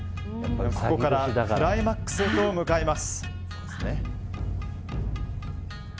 ここからクライマックスへと向かいます。